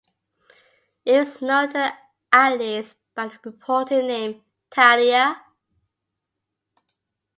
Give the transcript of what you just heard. It was known to the Allies by the reporting name "Thalia".